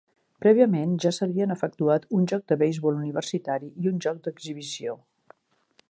Prèviament ja s'havien efectuat un joc de beisbol universitari i un joc d'exhibició.